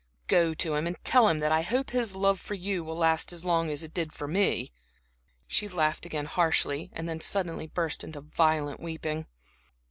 Go to him and tell him that I hope his love for you will last as long as it did for me." She laughed again harshly and then suddenly burst into violent weeping.